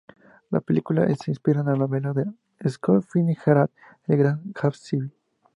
La película se inspira en la novela de F. Scott Fitzgerald, "El gran Gatsby".